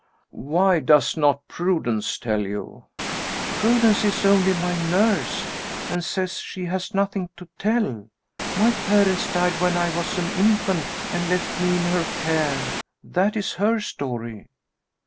"Why does not Prudence tell you?" "Prudence is only my nurse, and says she has nothing to tell. My parents died when I was an infant, and left me in her care that is her story."